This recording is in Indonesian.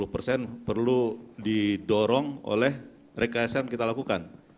sepuluh persen perlu didorong oleh rekayasan kita lakukan